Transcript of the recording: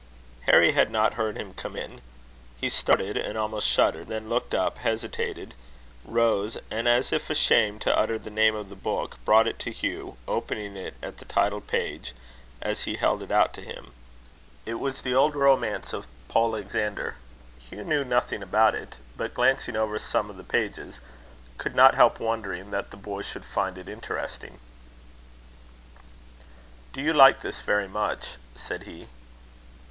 Harry had not heard him come in. He started, and almost shuddered; then looked up, hesitated, rose, and, as if ashamed to utter the name of the book, brought it to Hugh, opening it at the title page as he held it out to him. It was the old romance of Polexander. Hugh knew nothing about it; but, glancing over some of the pages, could not help wondering that the boy should find it interesting. "Do you like this very much?" said he.